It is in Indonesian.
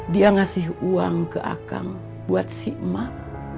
dia ngasih uang ke akang buat si emak